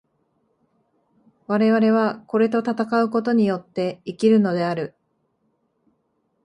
我々はこれと戦うことによって生きるのである。